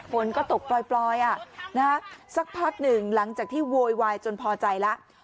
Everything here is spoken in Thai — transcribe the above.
ฝนก็ตกปล่อยสักพักหนึ่งหลังจากที่โวยวายจนพอใจแล้ว